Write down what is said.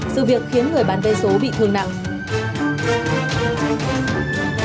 sự việc khiến người bán vé số bị thương nặng